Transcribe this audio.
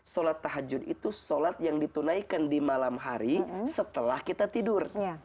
sholat tahajud itu sholat yang ditunaikan di malam hari setelah kita tidur